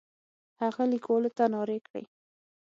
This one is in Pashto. هغه کلیوالو ته نارې کړې.